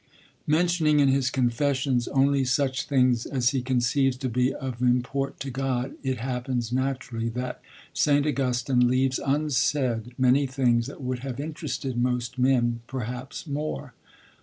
Mentioning in his confessions only such things as he conceives to be of import to God, it happens, naturally, that St. Augustine leaves unsaid many things that would have interested most men, perhaps more.